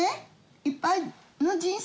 いっぱいの人生